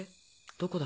どこだ？